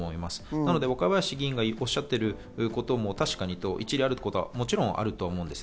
なので若林議員がおっしゃっていることも確かに一理あることはもちろんあると思うんです。